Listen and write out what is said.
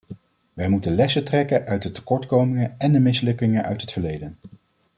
Wij moeten lessen trekken uit de tekortkomingen en de mislukkingen uit het verleden.